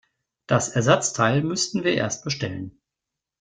Das Ersatzteil müssten wir erst bestellen.